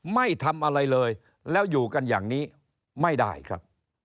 ไม่ทำอะไรเลยแล้วอยู่กันอย่างนี้ไม่ได้ครับ